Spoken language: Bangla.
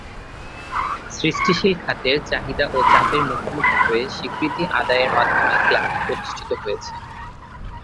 সৃষ্টিশীল খাতের চাহিদা ও চাপের মুখোমুখি হয়ে স্বীকৃতি আদায়ের মাধ্যমে ক্লাবটি প্রতিষ্ঠিত হয়েছে।